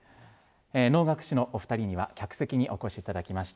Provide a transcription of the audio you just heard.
能楽師のお２人には、客席にお越しいただきました。